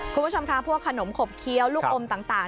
คุณผู้ชมคะพวกขนมขบเคี้ยวลูกอมต่าง